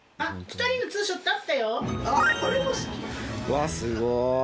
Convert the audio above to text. わっすごい！